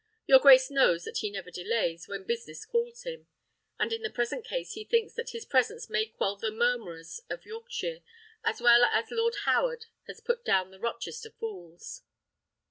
Your grace knows that he never delays when business calls him; and in the present case he thinks that his presence may quell the murmurers of Yorkshire, as well as Lord Howard has put down the Rochester fools."